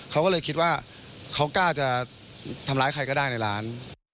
เขาก็เลยคิดว่าเขากล้าจะทำร้ายใครก็ได้ในร้าน